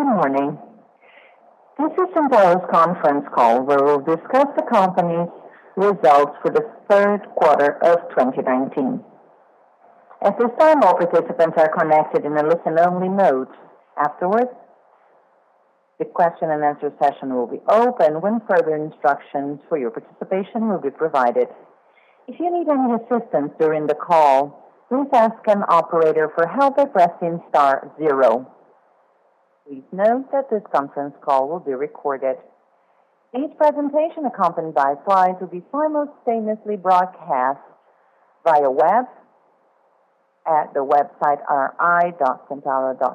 Good morning. This is Centauro's conference call where we'll discuss the company's results for the third quarter of 2019. At this time, all participants are connected in a listen-only mode. Afterwards, the question and answer session will be open when further instructions for your participation will be provided. If you need any assistance during the call, please ask an operator for help by pressing star zero. Please note that this conference call will be recorded. Each presentation accompanied by slides will be simultaneously broadcast via web at the website ri.centauro.com.br,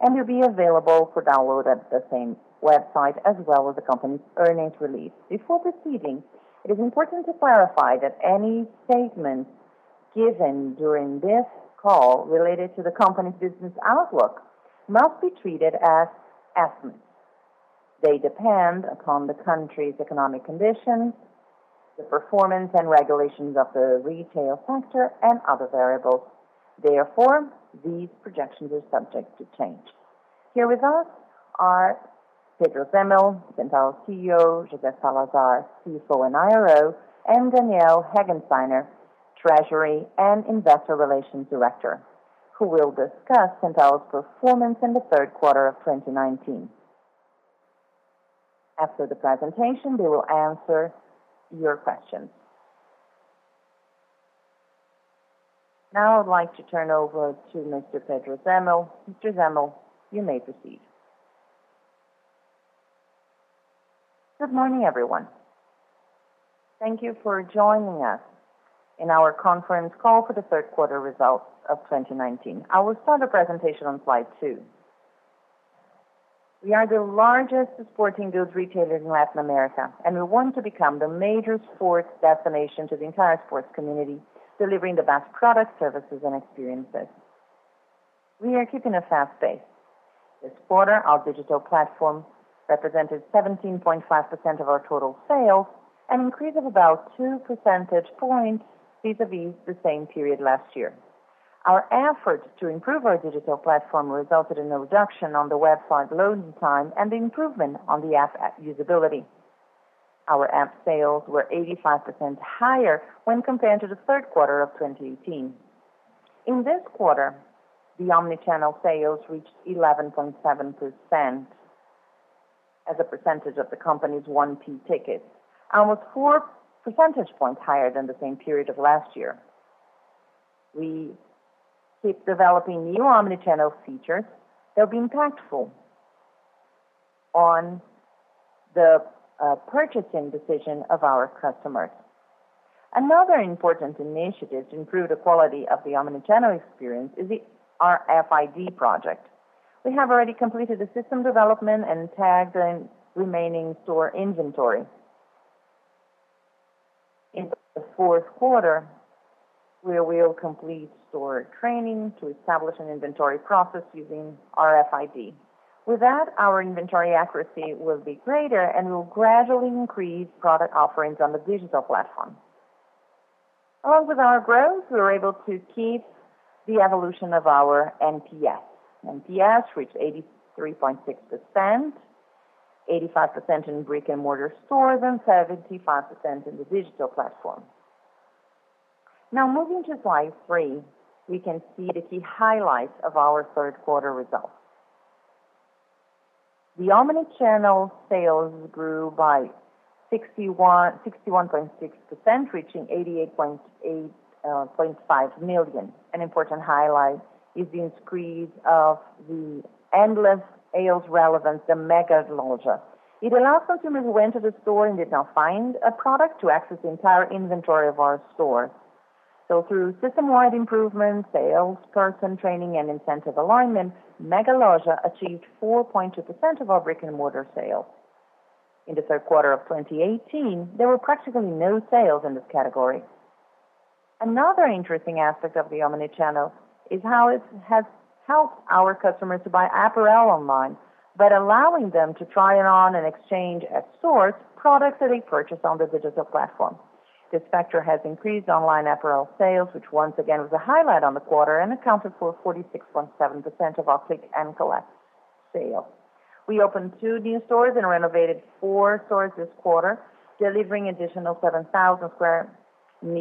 and will be available for download at the same website as well as the company's earnings release. Before proceeding, it is important to clarify that any statements given during this call related to the company's business outlook must be treated as estimates. They depend upon the country's economic conditions, the performance and regulations of the retail sector, and other variables. Therefore, these projections are subject to change. Here with us are Pedro Zemel, Centauro CEO. José Salazar, CFO and IRO, and Daniel Regensteiner, Treasury and Investor Relations Director, who will discuss Centauro's performance in the third quarter of 2019. After the presentation, they will answer your questions. I'd like to turn over to Mr. Pedro Zemel. Mr. Zemel, you may proceed. Good morning, everyone. Thank you for joining us in our conference call for the third quarter results of 2019. I will start the presentation on slide two. We are the largest sporting goods retailer in Latin America. We want to become the major sports destination to the entire sports community, delivering the best products, services, and experiences. We are keeping a fast pace. This quarter, our digital platform represented 17.5% of our total sales, an increase of about two percentage points vis-à-vis the same period last year. Our effort to improve our digital platform resulted in a reduction on the website loading time and the improvement on the app usability. Our app sales were 85% higher when compared to the third quarter of 2018. In this quarter, the omni-channel sales reached 11.7% as a percentage of the company's 1P ticket, almost four percentage points higher than the same period of last year. We keep developing new omni-channel features that are being impactful on the purchasing decision of our customers. Another important initiative to improve the quality of the omni-channel experience is the RFID project. We have already completed the system development and tagged the remaining store inventory. In the fourth quarter, we will complete store training to establish an inventory process using RFID. With that, our inventory accuracy will be greater, and we'll gradually increase product offerings on the digital platform. Along with our growth, we were able to keep the evolution of our NPS. NPS reached 83.6%, 85% in brick-and-mortar stores and 75% in the digital platform. Moving to slide three, we can see the key highlights of our third quarter results. The omnichannel sales grew by 61.6%, reaching 88.5 million. An important highlight is the increase of the endless aisle relevance, the megaloja. It allows customers who enter the store and did not find a product to access the entire inventory of our store. Through system-wide improvements, salesperson training, and incentive alignment, megaloja achieved 4.2% of our brick-and-mortar sales. In the third quarter of 2018, there were practically no sales in this category. Another interesting aspect of the omni-channel is how it has helped our customers to buy apparel online, but allowing them to try it on and exchange at source products that they purchase on the digital platform. This factor has increased online apparel sales, which once again was a highlight on the quarter and accounted for 46.7% of our click and collect sales. We opened 2 new stores and renovated 4 stores this quarter, delivering additional 7,000 sq m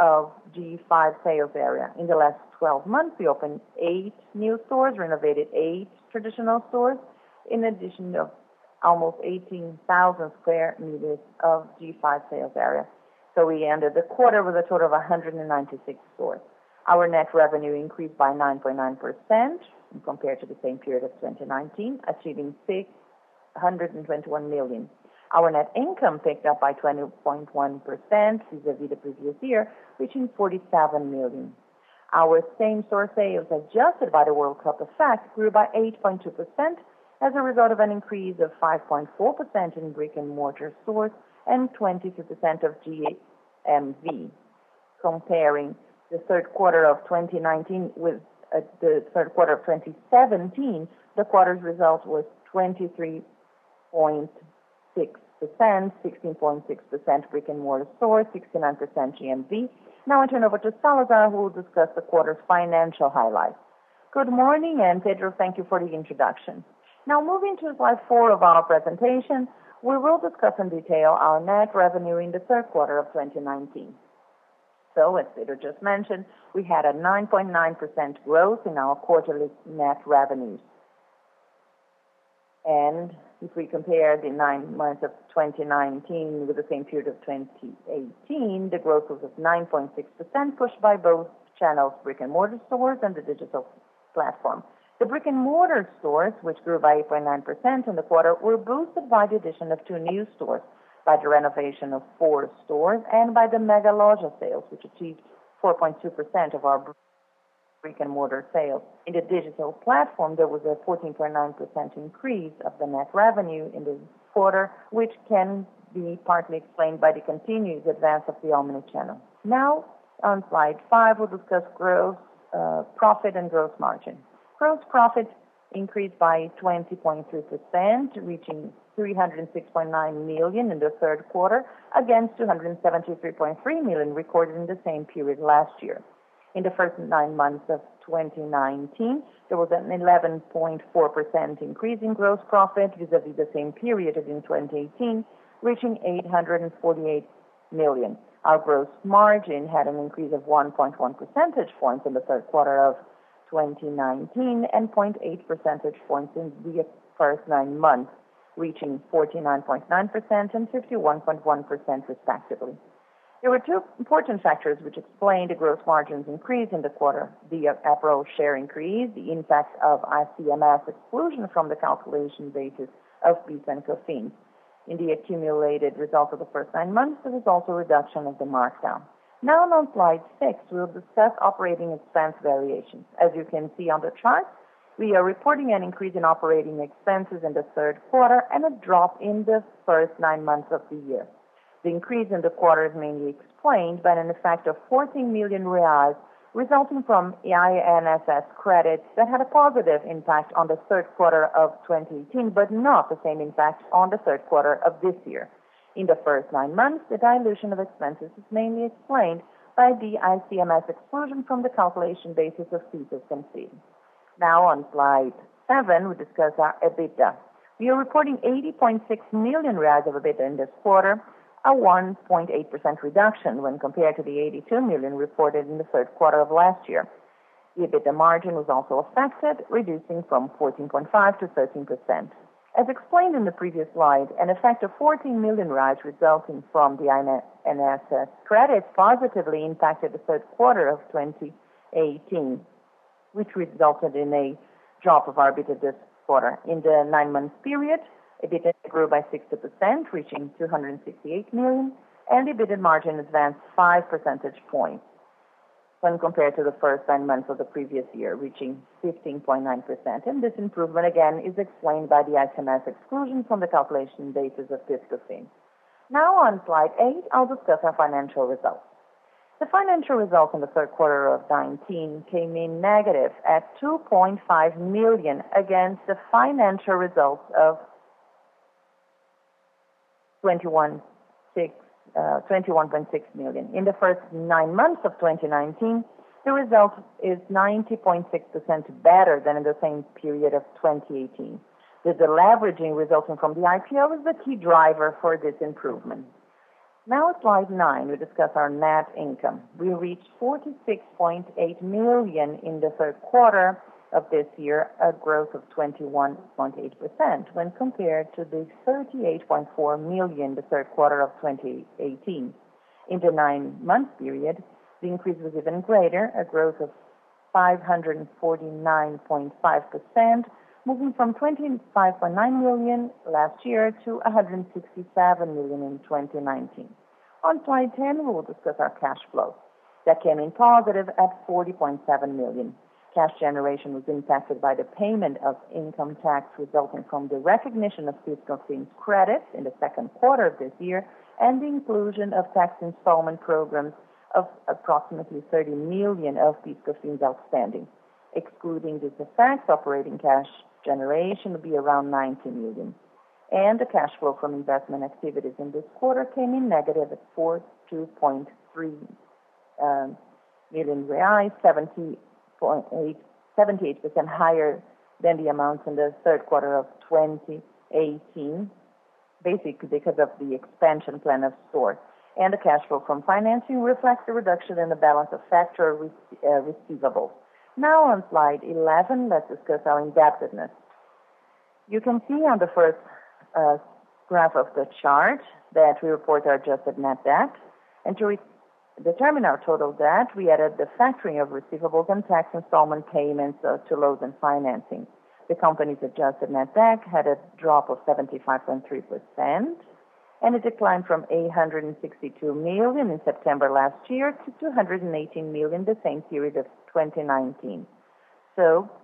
of G5 sales area. In the last 12 months, we opened 8 new stores, renovated 8 traditional stores, in addition to almost 18,000 sq m of G5 sales area. We ended the quarter with a total of 196 stores. Our net revenue increased by 9.9% compared to the same period of 2019, achieving 621 million. Our net income picked up by 20.1% vis-à-vis the previous year, reaching 47 million. Our same-store sales, adjusted by the World Cup effect, grew by 8.2% as a result of an increase of 5.4% in brick-and-mortar stores and 22% of GMV. Comparing the third quarter of 2019 with the third quarter of 2017, the quarter's result was 23.816.6% brick-and-mortar stores, 69% GMV. I turn over to Salazar, who will discuss the quarter's financial highlights. Good morning, Pedro, thank you for the introduction. Moving to slide four of our presentation, we will discuss in detail our net revenue in the third quarter of 2019. As Pedro just mentioned, we had a 9.9% growth in our quarterly net revenues. If we compare the nine months of 2019 with the same period of 2018, the growth was at 9.6%, pushed by both channels, brick-and-mortar stores and the digital platform. The brick-and-mortar stores, which grew by 8.9% in the quarter, were boosted by the addition of two new stores, by the renovation of four stores, and by the megaloja sales, which achieved 4.2% of our brick-and-mortar sales. In the digital platform, there was a 14.9% increase of the net revenue in the quarter, which can be partly explained by the continued advance of the omni channel. On Slide five, we'll discuss gross profit and gross margin. Gross profit increased by 20.3%, reaching 306.9 million in the third quarter against 273.3 million recorded in the same period last year. In the first nine months of 2019, there was an 11.4% increase in gross profit vis-à-vis the same period as in 2018, reaching 848 million. Our gross margin had an increase of 1.1 percentage points in the third quarter of 2019 and 0.8 percentage points in the first nine months, reaching 49.9% and 51.1%, respectively. There were two important factors which explained the gross margins increase in the quarter. The April share increase, the impact of ICMS exclusion from the calculation basis of PIS/COFINS. In the accumulated results of the first nine months, there was also a reduction of the markdown. On Slide six, we'll discuss operating expense variations. As you can see on the chart, we are reporting an increase in operating expenses in the third quarter and a drop in the first nine months of the year. The increase in the quarter is mainly explained by an effect of 14 million reais resulting from the INSS credit that had a positive impact on the third quarter of 2018, but not the same impact on the third quarter of this year. In the first nine months, the dilution of expenses is mainly explained by the ICMS exclusion from the calculation basis of PIS/COFINS. On Slide seven, we discuss our EBITDA. We are reporting 80.6 million reais of EBITDA in this quarter, a 1.8% reduction when compared to the 82 million reported in the third quarter of last year. The EBITDA margin was also affected, reducing from 14.5%-13%. As explained in the previous slide, an effect of 14 million resulting from the INSS credit positively impacted the third quarter of 2018, which resulted in a drop of our EBITDA this quarter. In the nine-month period, EBITDA grew by 60%, reaching 268 million, EBITDA margin advanced five percentage points when compared to the first nine months of the previous year, reaching 15.9%. This improvement again is explained by the ICMS exclusion from the calculation basis of C&C. Now on Slide eight, I'll discuss our financial results. The financial results in the third quarter of 2019 came in negative at 2.5 million against the financial results of 21.6 million. In the first nine months of 2019, the result is 90.6% better than in the same period of 2018. The deleveraging resulting from the IPO is the key driver for this improvement. Now Slide nine, we discuss our net income. We reached 46.8 million in the third quarter of this year, a growth of 21.8% when compared to the 38.4 million the third quarter of 2018. In the nine-month period, the increase was even greater, a growth of 549.5%, moving from 25.9 million last year to 167 million in 2019. On Slide 10, we will discuss our cash flow that came in positive at 40.7 million. Cash generation was impacted by the payment of income tax resulting from the recognition of C&C's credits in the second quarter of this year and the inclusion of tax installment programs of approximately 30 million of C&C's outstanding. Excluding this effect, operating cash generation will be around 90 million. The cash flow from investment activities in this quarter came in negative at 42.3 million reais, 78% higher than the amounts in the third quarter of 2018, basically because of the expansion plan of stores. The cash flow from financing reflects the reduction in the balance of factor receivables. Now on Slide 11, let's discuss our indebtedness. You can see on the first graph of the chart that we report our adjusted net debt. To determine our total debt, we added the factoring of receivables and tax installment payments to loans and financing. The company's adjusted net debt had a drop of 75.3% and a decline from 862 million in September last year to 218 million the same period of 2019.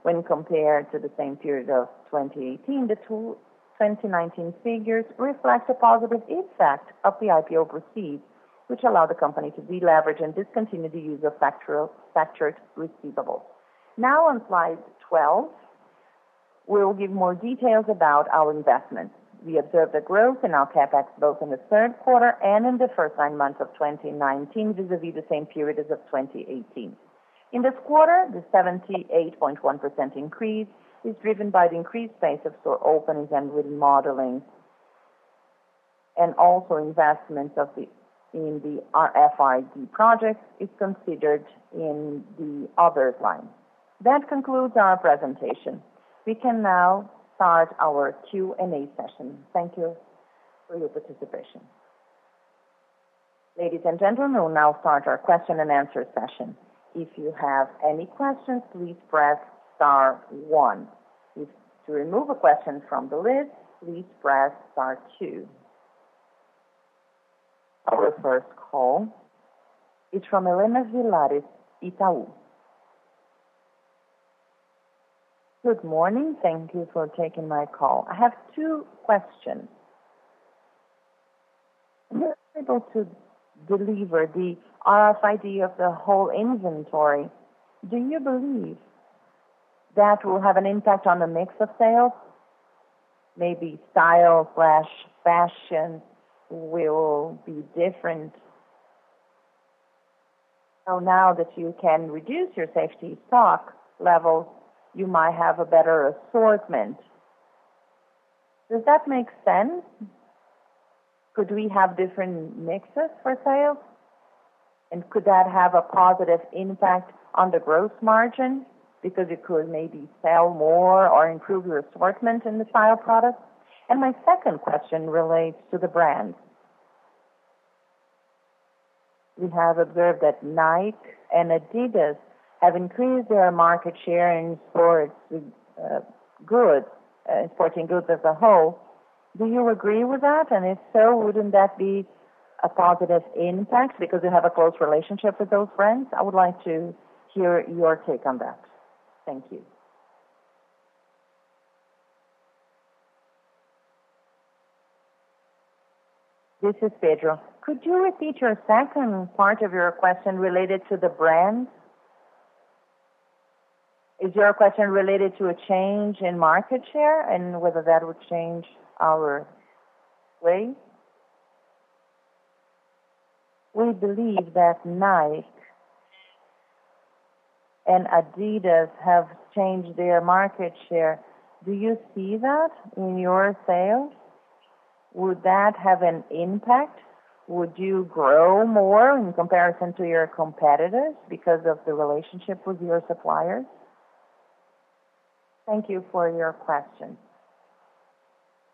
When compared to the same period of 2018, the 2019 figures reflect the positive effect of the IPO proceeds, which allow the company to deleverage and discontinue the use of factored receivables. Now on slide 12, we will give more details about our investments. We observed a growth in our CapEx both in the third quarter and in the first nine months of 2019 vis-a-vis the same period as of 2018. In this quarter, the 78.1% increase is driven by the increased pace of store openings and remodeling, also investments in the RFID project is considered in the others line. That concludes our presentation. We can now start our Q&A session. Thank you for your participation. Ladies and gentlemen, we'll now start our question and answer session. If you have any questions, please press star one. If to remove a question from the list, please press star two. Our first call is from Helena Villares, Itaú BBA. Good morning. Thank you for taking my call. I have two questions. You were able to deliver the RFID of the whole inventory. Do you believe that will have an impact on the mix of sales? Maybe style/fashion will be different. Now that you can reduce your safety stock levels, you might have a better assortment. Does that make sense? Could we have different mixes for sales? Could that have a positive impact on the gross margin because you could maybe sell more or improve your assortment in the style products? My second question relates to the brands. We have observed that Nike and Adidas have increased their market share in sporting goods as a whole. Do you agree with that? If so, wouldn't that be a positive impact because you have a close relationship with those brands? I would like to hear your take on that. Thank you. This is Pedro. Could you repeat your second part of your question related to the brands? Is your question related to a change in market share and whether that would change our way? We believe that Nike and Adidas have changed their market share. Do you see that in your sales? Would that have an impact? Would you grow more in comparison to your competitors because of the relationship with your suppliers? Thank you for your question.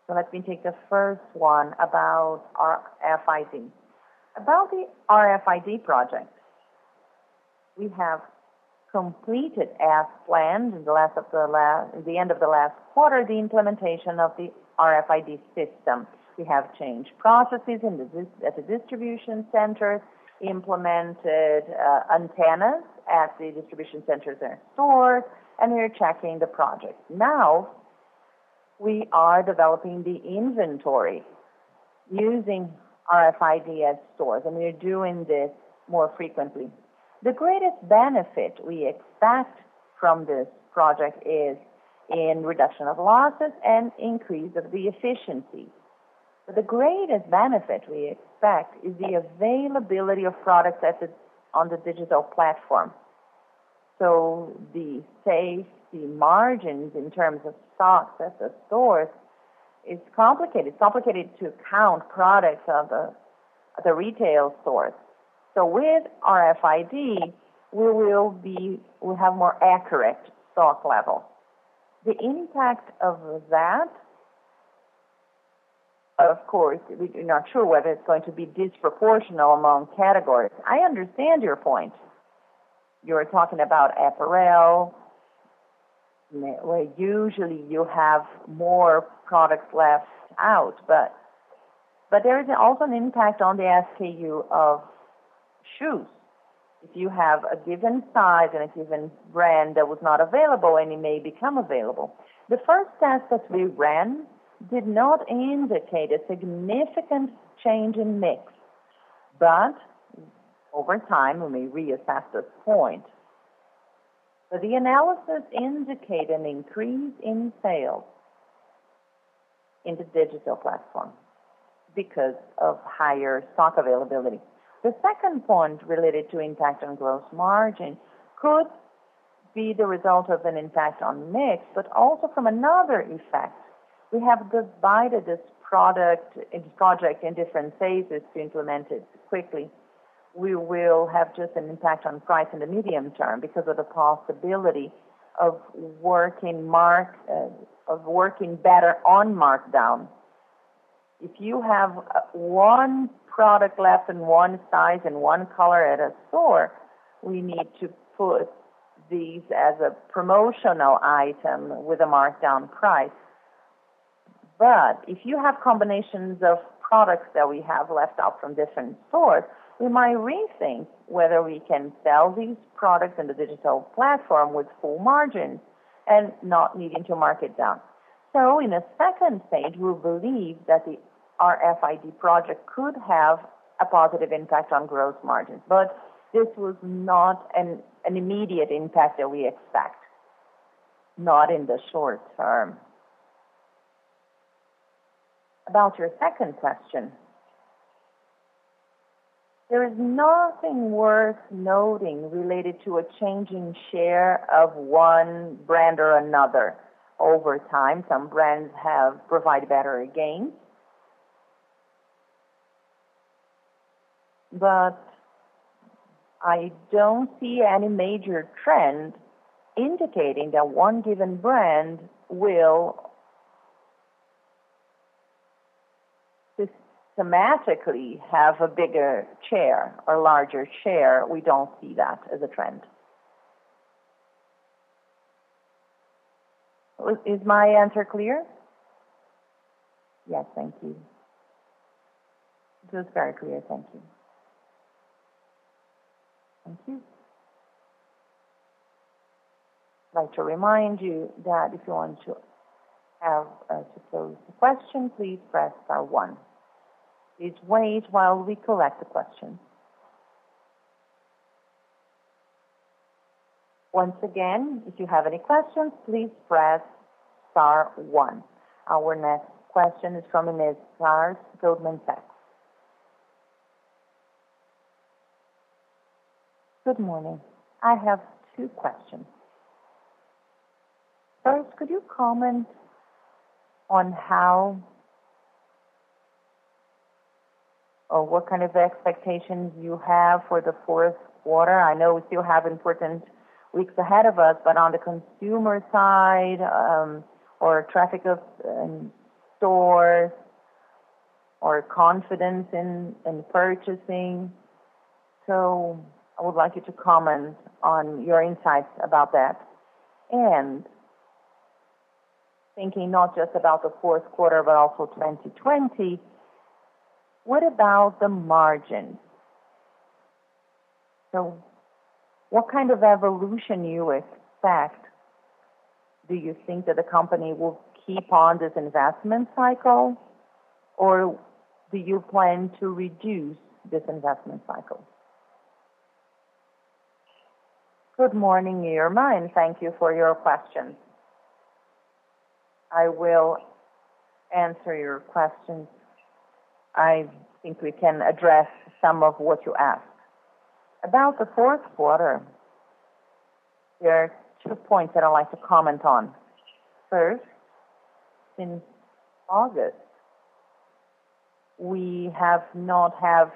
Let me take the first one about RFID. About the RFID project, we have completed as planned in the end of the last quarter, the implementation of the RFID system. We have changed processes at the distribution centers, implemented antennas at the distribution centers and stores, and we are tracking the project. Now, we are developing the inventory using RFID at stores, and we are doing this more frequently. The greatest benefit we expect from this project is in reduction of losses and increase of the efficiency. The greatest benefit we expect is the availability of products that is on the digital platform. The safety margins in terms of stocks at the stores is complicated. It's complicated to count products of the retail stores. With RFID, we'll have more accurate stock level. The impact of that, of course, we're not sure whether it's going to be disproportional among categories. I understand your point. You're talking about apparel, where usually you have more products left out, but there is also an impact on the SKU of shoes. If you have a given size and a given brand that was not available and it may become available. The first test that we ran did not indicate a significant change in mix, but over time, we may reassess this point. The analysis indicate an increase in sales in the digital platform because of higher stock availability. The second point related to impact on gross margin could be the result of an impact on mix, but also from another effect. We have divided this project in different phases to implement it quickly. We will have just an impact on price in the medium term because of the possibility of working better on markdown. If you have one product left in one size and one color at a store, we need to put these as a promotional item with a markdown price. If you have combinations of products that we have left out from different stores, we might rethink whether we can sell these products in the digital platform with full margin, not needing to mark it down. In the second stage, we believe that the RFID project could have a positive impact on growth margins. This was not an immediate impact that we expect. Not in the short term. About your second question, there is nothing worth noting related to a change in share of one brand or another. Over time, some brands have provided better gains. I don't see any major trend indicating that one given brand will just thematically have a bigger share or larger share. We don't see that as a trend. Is my answer clear? Yes. Thank you. It was very clear. Thank you. Thank you. I'd like to remind you that if you want to pose a question, please press star one. Please wait while we collect the question. Once again, if you have any questions, please press star one. Our next question is from Ms. Lars Goldman Sachs. Good morning. I have two questions. First, could you comment on how or what kind of expectations you have for the fourth quarter? I know we still have important weeks ahead of us, but on the consumer side, or traffic in stores or confidence in purchasing. I would like you to comment on your insights about that. Thinking not just about the fourth quarter, but also 2020, what about the margin? What kind of evolution you expect? Do you think that the company will keep on this investment cycle, or do you plan to reduce this investment cycle? Good morning to you, [Ermine]. Thank you for your question. I will answer your questions. I think we can address some of what you asked. About the fourth quarter, there are two points that I'd like to comment on. First, in August, we have not have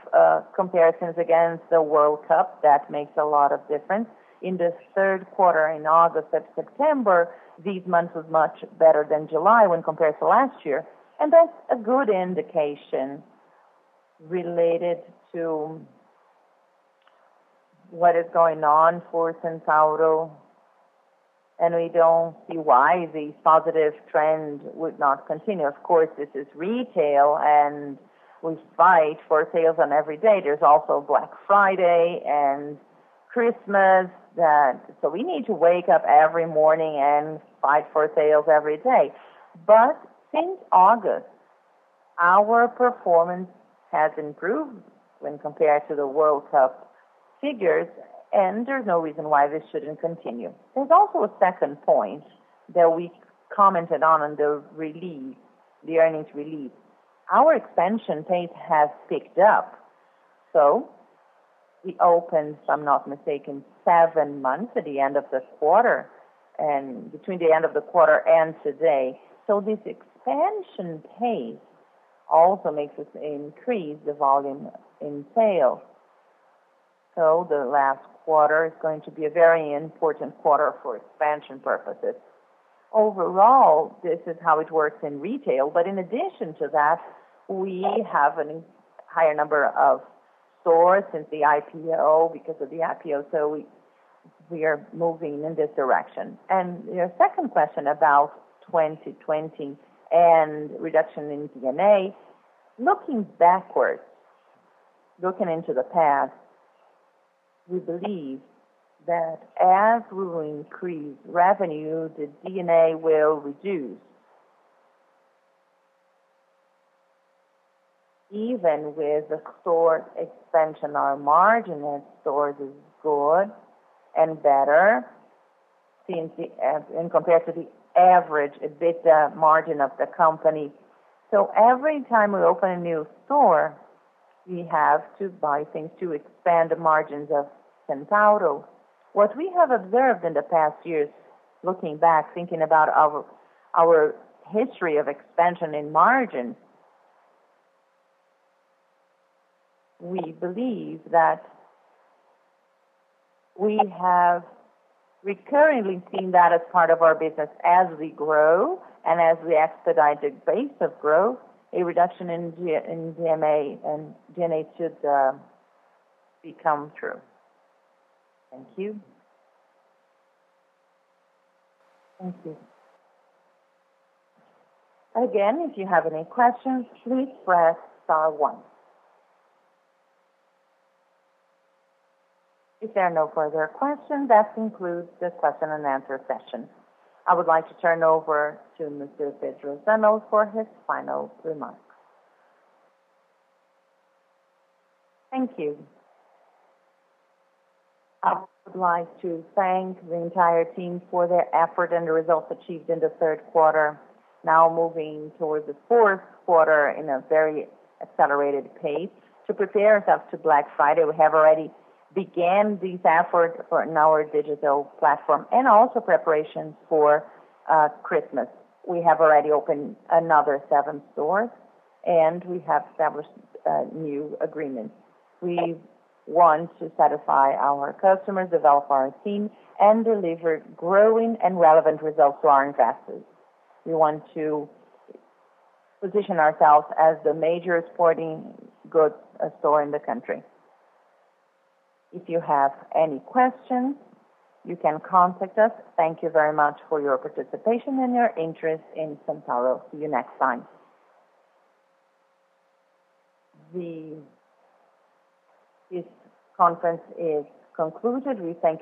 comparisons against the World Cup. That makes a lot of difference. In the third quarter, in August and September, these months was much better than July when compared to last year. That's a good indication related to what is going on for Centauro, and we don't see why the positive trend would not continue. Of course, this is retail, and we fight for sales on every day. There's also Black Friday and Christmas. We need to wake up every morning and fight for sales every day. Since August, our performance has improved when compared to the World Cup figures, and there's no reason why this shouldn't continue. There's also a second point that we commented on the earnings release. Our expansion pace has picked up. We opened, if I'm not mistaken, seven months at the end of this quarter and between the end of the quarter and today. This expansion pace also makes us increase the volume in sales. The last quarter is going to be a very important quarter for expansion purposes. Overall, this is how it works in retail. In addition to that, we have a higher number of stores since the IPO, because of the IPO. We are moving in this direction. Your second question about 2020 and reduction in D&A. Looking backwards, looking into the past, we believe that as we will increase revenue, the D&A will reduce. Even with the store expansion, our margin in stores is good and better in compared to the average EBITDA margin of the company. Every time we open a new store, we have to buy things to expand the margins of Centauro. What we have observed in the past years, looking back, thinking about our history of expansion in margin, we believe that we have recurringly seen that as part of our business as we grow and as we expedite the pace of growth, a reduction in D&A and D&A should become true. Thank you. Thank you. Again, if you have any questions, please press star one. If there are no further questions, that concludes this question and answer session. I would like to turn over to Mr. Pedro Zemel for his final remarks. Thank you. I would like to thank the entire team for their effort and the results achieved in the third quarter. Moving towards the fourth quarter in a very accelerated pace to prepare ourselves to Black Friday. We have already began these efforts in our digital platform and also preparations for Christmas. We have already opened another seven stores, and we have established new agreements. We want to satisfy our customers, develop our team, and deliver growing and relevant results to our investors. We want to position ourselves as the major sporting goods store in the country. If you have any questions, you can contact us. Thank you very much for your participation and your interest in Centauro. See you next time. This conference is concluded. We thank you.